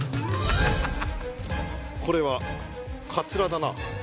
これはカツラだな。